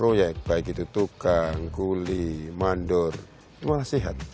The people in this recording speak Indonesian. orang yang menjalankan proyek baik itu tukang guli mandor malah sehat